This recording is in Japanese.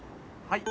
はい。